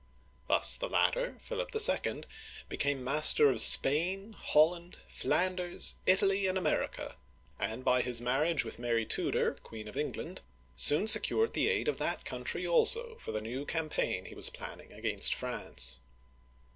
Thus the latter, Philip XL, became master of Spain, Holland, Flanders, Italy, and America, and by his marriage with Mary Tudor, Queen of England, soon secured the aid of that country also for the new campaign he was planning against France.